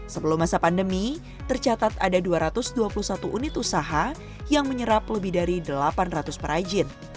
sebelum masa pandemi tercatat ada dua ratus dua puluh satu unit usaha yang menyerap lebih dari delapan ratus perajin